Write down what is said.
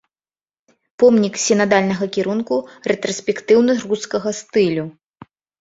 Помнік сінадальнага кірунку рэтраспектыўна-рускага стылю.